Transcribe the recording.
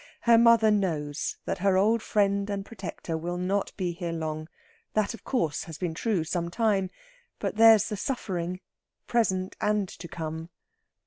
Her mother knows that her old friend and protector will not be here long that, of course, has been true some time. But there's the suffering, present and to come.